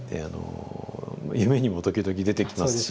夢にも時々出てきますし。